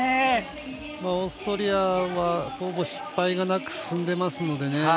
オーストリアは、ほぼ失敗がなく進んでいますのでね。